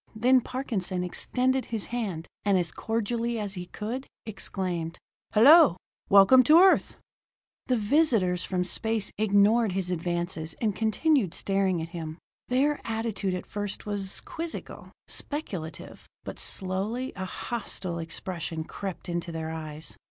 Then Parkinson extended his hand, and as cordially as he could, exclaimed: "Hello! Welcome to Earth!" The visitors from space ignored his advances and continued staring at him. Their attitude at first was quizzical, speculative, but slowly a hostile expression crept into their eyes.